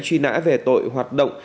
truy nã về tội hoạt động